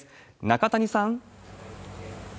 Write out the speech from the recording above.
中谷さん。